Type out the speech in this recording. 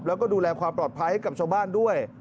แล้วก็ดูแลความปลอดภัยให้กับชาวบ้านด้วย